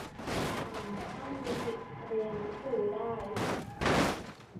นักเรียนตั้งครรภ์ ก็มีสิทธิเรียนหนังสือได้